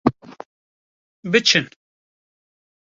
Biçin!